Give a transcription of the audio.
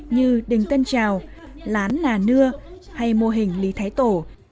như đình tân trào lán nà nưa hay mô hình lý thái tổ